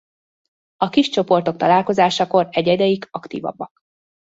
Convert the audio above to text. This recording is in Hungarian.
A kis csoportok találkozásakor egyedeik aktívabbak.